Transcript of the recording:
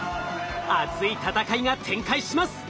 熱い戦いが展開します。